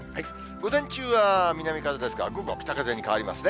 午前中は南風ですが、午後は北風に変わりますね。